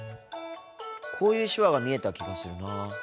こういう手話が見えた気がするなぁ。